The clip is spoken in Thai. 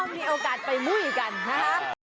มีโอกาสไปมุ้ยกันนะคะ